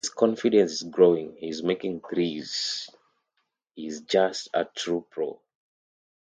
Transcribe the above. His confidence is growing, he's making threes, he's just a true pro.